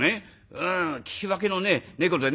うん聞き分けのねえ猫でね」。